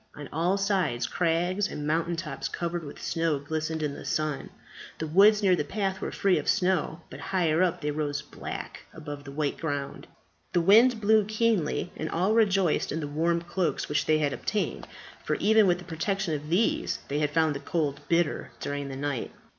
On all sides crags and mountain tops covered with snow glistened in the sun. The woods near the path were free of snow; but higher up they rose black above the white ground. The wind blew keenly, and all rejoiced in the warm cloaks which they had obtained; for even with the protection of these they had found the cold bitter during the night.